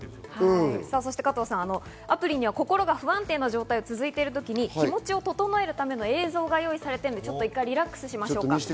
加藤さん、アプリには心が不安定な状態が続いてる時に気持ちを整えるための映像が用意されてるので１回リラックスしましょうか。